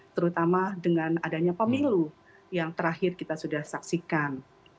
terutama dengan adanya pemilu yang terakhir kita sudah saksikan